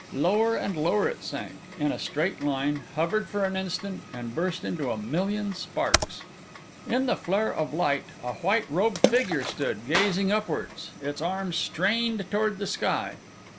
Lower and lower it sank, in a straight line, hovered for an instant, and burst into a million sparks. In the flare of light, a white robed figure stood, gazing upwards, its arms strained toward the sky.